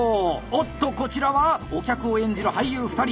おっとこちらはお客を演じる俳優２人。